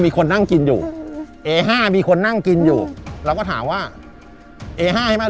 มีคนนั่งกินอยู่เอห้ามีคนนั่งกินอยู่เราก็ถามว่าเอห้าใช่ไหม